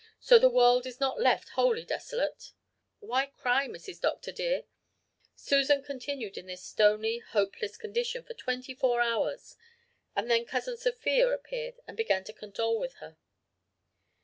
So the world is not left wholly desolate. Why cry, Mrs. Dr. dear?' Susan continued in this stony, hopeless condition for twenty four hours, and then Cousin Sophia appeared and began to condole with her.